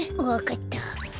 わかった。